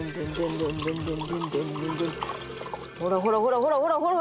ほらほらほらほらほらほら！